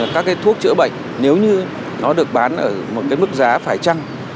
các thuốc chữa bệnh nếu như nó được bán ở một mức giá phải trăng